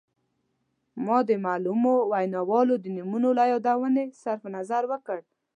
ما د معلومو ویناوالو د نومونو له یادونې صرف نظر وکړ.